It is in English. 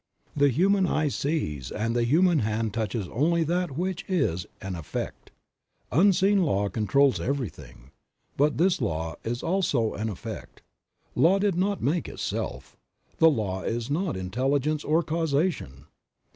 The human eye sees and the human hand touches only that which is an effect. Unseen law controls everything; but this Law also is an effect; Law did not make itself; the Law is not intelligence or causation.